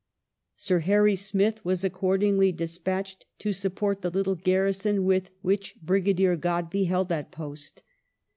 Sir Harry Smith was ac cordingly despatched to support the little garrison with which Brigadier God by held that post.